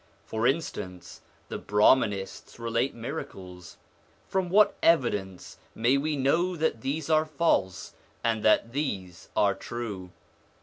For instance, the Brahmanists relate miracles: from what evidence may we know that those are false and that these are true